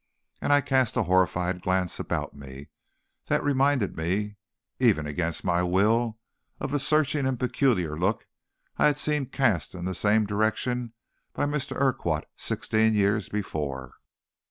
And I cast a horrified glance about me, that reminded me, even against my will, of the searching and peculiar look I had seen cast in the same direction by Mr. Urquhart sixteen years before.